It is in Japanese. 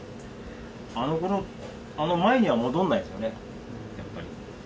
あのころ、あの前には戻んないですよね、やっぱり。